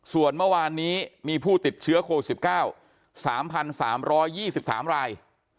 ส่วนเมื่อวานนี้มีผู้ติดเชื้อโควิด๑๙๓๓๒๓ราย